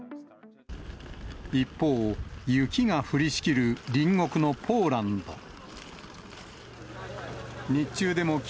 一方、雪が降りしきる隣国のポーランド。